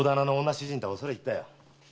主人とはおそれ入ったよ。